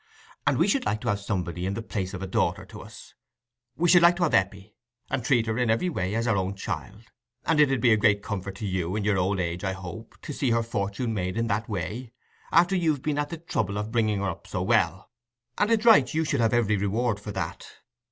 And we should like to have somebody in the place of a daughter to us—we should like to have Eppie, and treat her in every way as our own child. It 'ud be a great comfort to you in your old age, I hope, to see her fortune made in that way, after you've been at the trouble of bringing her up so well. And it's right you should have every reward for that.